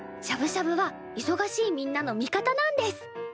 しゃぶしゃぶはいそがしいみんなの味方なんです！